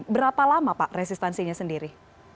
berapa lama pak resistensinya sendiri